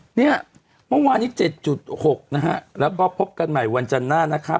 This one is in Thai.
เนี่ยเมื่อวานนี้๗๖นะฮะแล้วก็พบกันใหม่วันจันทร์หน้านะครับ